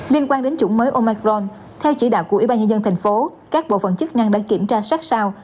liên quan đến chủng mới omicron theo chỉ đạo của ybnd tp các bộ phận chức ngăn đã kiểm tra sát sao